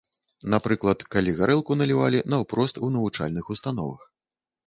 Напрыклад, калі гарэлку налівалі наўпрост у навучальных установах.